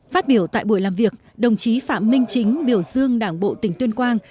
phát biểu tại buổi làm việc đồng chí phạm minh chính biểu dương đảng bộ tỉnh tuyên quang